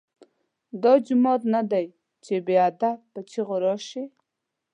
دا جومات نه دی چې بې ادب په چیغو راشې.